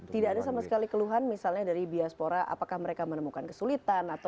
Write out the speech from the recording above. tidak ada sama sekali keluhan misalnya dari diaspora apakah mereka menemukan kesulitan